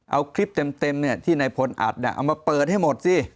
เอาคลิปเต็มที่ในพลอัดเอามาเปิดให้หมดสิ